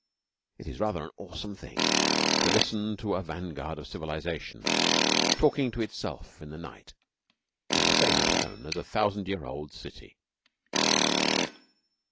It is rather an awesome thing to listen to a vanguard of civilisation talking to itself in the night in the same tone as a thousand year old city.